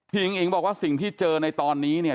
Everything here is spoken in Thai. หญิงอิ๋งบอกว่าสิ่งที่เจอในตอนนี้เนี่ย